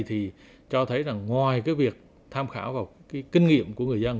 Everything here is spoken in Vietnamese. thì cho thấy ngoài việc tham khảo vào kinh nghiệm của người dân